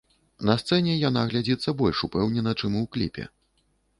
На сцэне яна глядзіцца больш упэўнена, чым у кліпе.